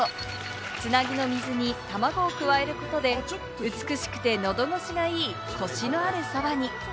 つなぎの水に卵を加えることで、美しくてのどごしがいいコシのあるそばに。